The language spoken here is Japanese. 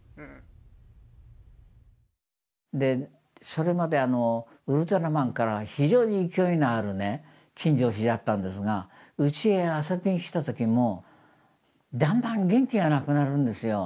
それまで「ウルトラマン」から非常に勢いのある金城氏だったんですがうちへ遊びに来た時もだんだん元気がなくなるんですよ。